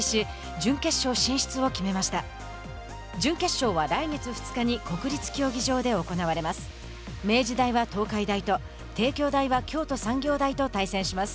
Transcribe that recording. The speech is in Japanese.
準決勝は来月２日に国立競技場で行われます。